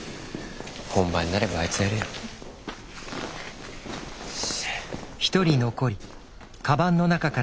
本番になればあいつはやるよ。